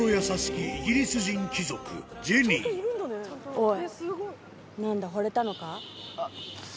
おい！